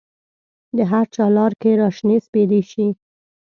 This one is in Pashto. د هرچا لار کې را شنې سپیدې شي